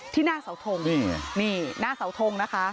ที่หน้าเสาทงหน้าเสาทงนะคะ